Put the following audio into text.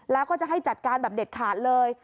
แล้วก็จะให้จัดการแบบเด็ดขาดเลย